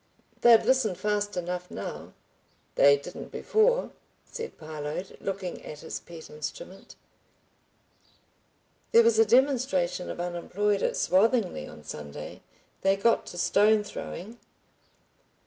"They'd listen fast enough now." "They didn't before," said Parload, looking at his pet instrument. "There was a demonstration of unemployed at Swathinglea on Sunday. They got to stone throwing."